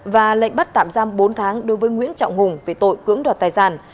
và lệnh bắt tạm giam bốn tháng đối với nguyễn trọng hùng về tội cưỡng đoạt tài sản